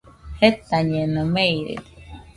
Jetañeno, meirede.